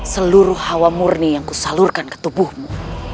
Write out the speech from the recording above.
seluruh hawa murni yang kusalurkan ke tubuhmu